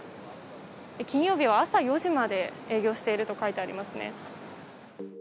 金曜日は朝４時まで営業していると書いてありますね。